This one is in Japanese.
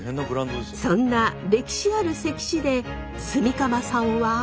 そんな歴史ある関市で炭竈さんは。